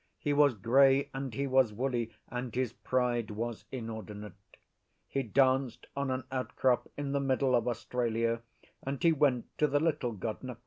He was grey and he was woolly, and his pride was inordinate: he danced on an outcrop in the middle of Australia, and he went to the Little God Nqa.